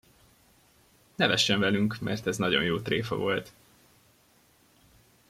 Nevessen velünk, mert ez nagyon jó tréfa volt.